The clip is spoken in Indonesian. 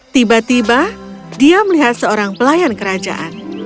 tiba tiba dia melihat seorang pelayan kerajaan